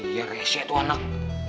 ya resya itu anak